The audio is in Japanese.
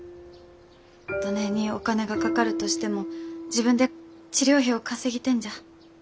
どねえにお金がかかるとしても自分で治療費を稼ぎてんじゃ。